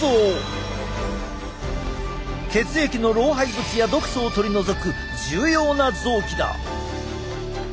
血液の老廃物や毒素を取り除く重要な臓器だ。